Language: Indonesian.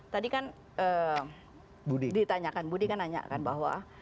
tadi kan ditanyakan budi kan nanyakan bahwa